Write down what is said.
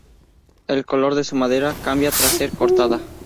El color de su madera cambia tras ser cortada.